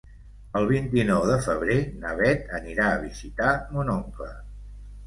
El vint-i-nou de febrer na Bet anirà a visitar mon oncle.